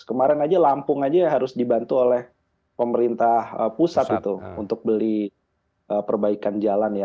kemarin aja lampung aja harus dibantu oleh pemerintah pusat itu untuk beli perbaikan jalan ya